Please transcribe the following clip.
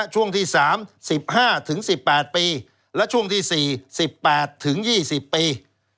ช่วงที่๓๑๕๑๘ปีและช่วงที่๔๑๘๒๐ปี